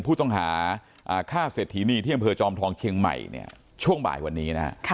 ผู้ต้องหาฆ่าเศรษฐีนีที่อำเภอจอมทองเชียงใหม่เนี่ยช่วงบ่ายวันนี้นะฮะ